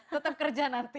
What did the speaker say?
tetep kerja nanti